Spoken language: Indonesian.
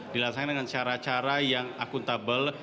dilaksanakan dengan cara cara yang akuntabel